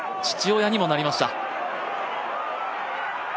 父親にもなりました。